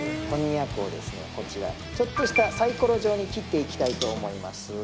こんにゃくをですねこちらちょっとしたサイコロ状に切っていきたいと思います。